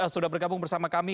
sudah bergabung bersama kami